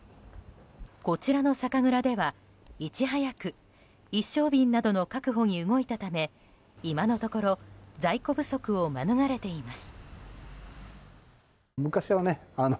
こちらの酒蔵では、いち早く一升瓶などの確保に動いたため今のところ在庫不足を免れています。